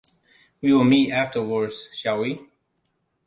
We'll meet afterwards, shall we?